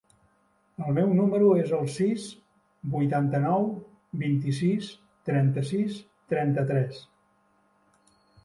El meu número es el sis, vuitanta-nou, vint-i-sis, trenta-sis, trenta-tres.